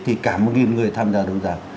thì cả một nghìn người tham gia đấu giá